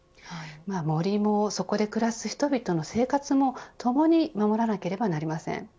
森もそこで暮らす人々の生活もともに守らなければなりません。